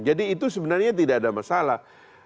jadi itu sebenarnya tidak ada masalah